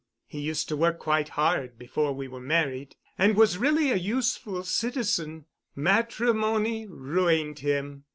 He used to work quite hard before we were married, and was really a useful citizen. "Matrimony ruined him.